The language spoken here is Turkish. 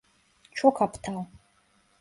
Çok aptal.